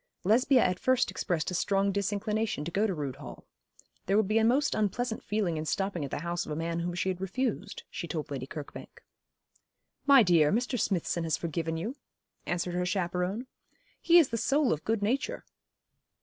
Lesbia at first expressed a strong disinclination to go to Rood Hall. There would be a most unpleasant feeling in stopping at the house of a man whom she had refused, she told Lady Kirkbank. 'My dear, Mr. Smithson has forgiven you,' answered her chaperon. 'He is the soul of good nature.'